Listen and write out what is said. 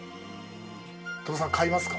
鳥羽さん、買いますか？